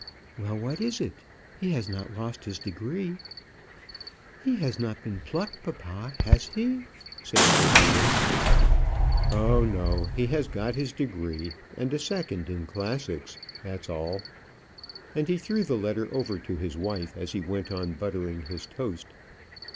"Well, what is it? He has not lost his degree?" "He has not been plucked, papa, has he?" said Sophia. "Oh, no; he has got his degree a second in classics! that's all;" and he threw the letter over to his wife as he went on buttering his toast.